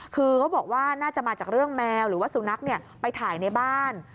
คือเขาบอกว่าน่าจะมาจากเรื่องแมวหรือว่าสุนัขไปถ่ายในบ้าน